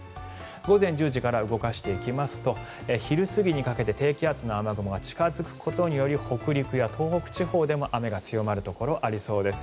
午前１０時から動かしていきますと昼過ぎにかけて低気圧の雨雲が近付くことにより北陸や東北地方でも雨が強まるところがありそうです。